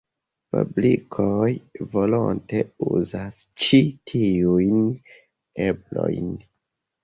Fabrikoj volonte uzas ĉi tiujn eblojn.